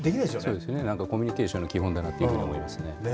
そうですね、コミュニケーションの基本だなと思いますね。